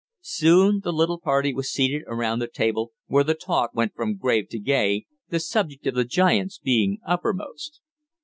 Soon the little party was seated around the table, where the talk went from grave to gay, the subject of the giants being uppermost.